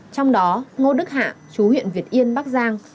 trong đó ngô đức hạ chú huyện việt yên bắc giang